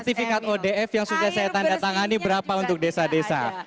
sertifikat odf yang sudah saya tanda tangani berapa untuk desa desa